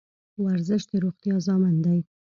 ورزش د روغتیا ضامن دی